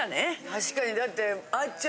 確かにだって。